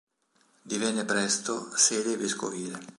Divenne presto Sede vescovile.